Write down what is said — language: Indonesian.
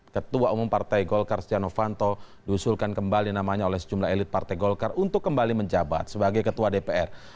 ketua umum partai golkar stiano fanto diusulkan kembali namanya oleh sejumlah elit partai golkar untuk kembali menjabat sebagai ketua dpr